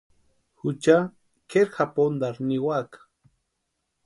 Jucha kʼeri japuntarhu niwaka.